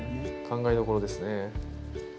考えどころですね。